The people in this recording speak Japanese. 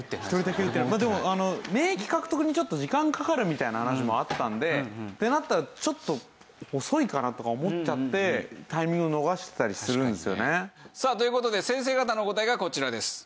でも免疫獲得にちょっと時間かかるみたいな話もあったのでってなったらちょっと遅いかなとか思っちゃってタイミングを逃してたりするんですよね。という事で先生方の答えがこちらです。